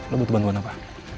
lo butuh bantuan apa